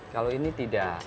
kalau ini tidak